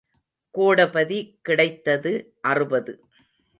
கோடபதி கிடைத்தது அறுபது.